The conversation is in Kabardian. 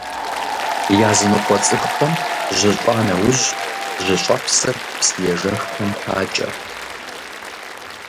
Языныкъуэ цӀыхухэм, жьыщӀа нэужь, жьыщӀэпсыр псыежэххэм хакӀэ.